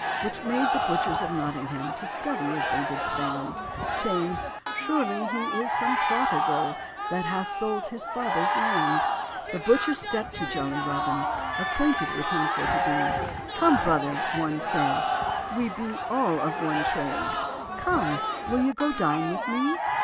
Which made the butchers of Nottingham To study as they did stand, Saying, "Surely he 'is' some prodigal, That hath sold his fathers land." The butchers stepped to jolly Robin, Acquainted with him for to be; "Come, brother," one said, "we be all of one trade, Come, will you go dine with me?"